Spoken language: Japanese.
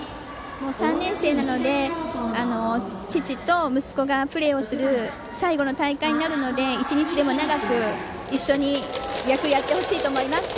３年生なので、父と息子がプレーする最後の大会になるので１日でも長く一緒に野球をやってほしいと思います。